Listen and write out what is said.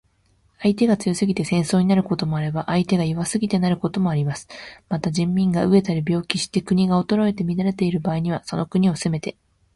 相手が強すぎて戦争になることもあれば、相手が弱すぎてなることもあります。また、人民が餓えたり病気して国が衰えて乱れている場合には、その国を攻めて